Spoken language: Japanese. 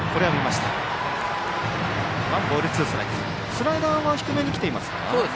スライダーは低めに来ていますか。